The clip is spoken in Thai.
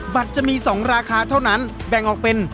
บัตรจะมี๒ราคาเท่านั้นแบ่งออกเป็น